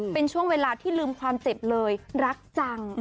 เป็นช่วงเวลาที่ลืมความเจ็บเลยรักจัง